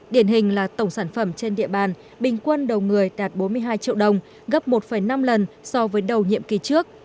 điển hình là tổng sản phẩm trên địa bàn bình quân đầu người đạt bốn mươi hai triệu đồng gấp một năm lần so với đầu nhiệm kỳ trước